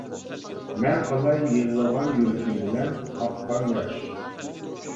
مەن قالاي يىغلىغان يۈرىكىم بىلەن، ئاققان ياش.